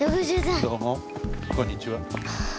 どうもこんにちは。